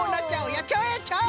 やっちゃおうやっちゃおう！